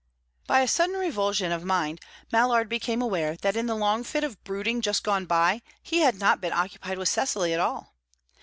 By a sudden revulsion of mind, Mallard became aware that in the long fit of brooding just gone by he had not been occupied with Cecily at all.